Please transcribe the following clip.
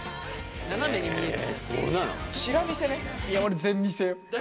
斜めに見える。